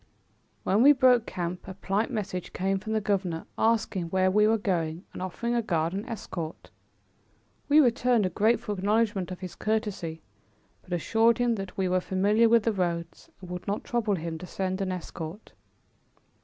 When we broke camp a polite message came from the governor, asking where we were going and offering a guard and escort. We returned a grateful acknowledgment of his courtesy, but assured him that we were familiar with the roads and would not trouble him to send an escort.